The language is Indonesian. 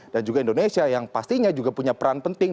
dan juga indonesia yang pastinya juga punya peran penting